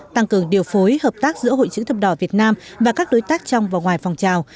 tăng cường điều phối hợp tác giữa hội chữ thập đỏ việt nam và các đối tác trong và ngoài phòng trào